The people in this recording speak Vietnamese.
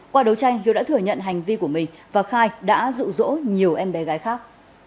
qua đấu tranh hiếu đã thừa nhận hành vi của mình và khai đã rụ rỗ nhiều em bé gái khác